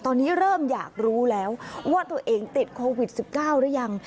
ตอนนี้เริ่มอยากรู้แล้วว่าตัวเองติดโควิด๑๙หรือยัง